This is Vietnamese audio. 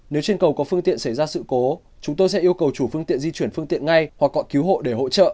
nếu trên cầu có phương tiện xảy ra sự cố chúng tôi sẽ yêu cầu chủ phương tiện di chuyển phương tiện ngay hoặc có cứu hộ để hỗ trợ